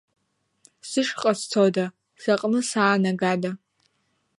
Зышҟа сцода, зыҟны саанагада?